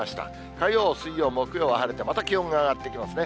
火曜、水曜、木曜は晴れてまた気温が上がってきますね。